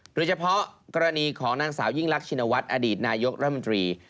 โดยเฉพาะกรณีของนางสาวยิ่งรักชินวัฒน์อดีตนายกรัฐมนตรี